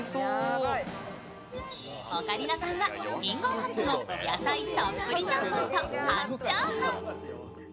オカリナさんはリンガーハットの野菜たっぷりちゃんぽんと半チャーハン。